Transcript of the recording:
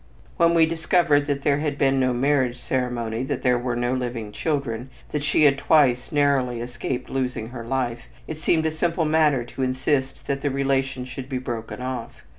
When we discovered that there had been no marriage ceremony, that there were no living children, that she had twice narrowly escaped losing her life, it seemed a simple matter to insist that the relation should be broken off.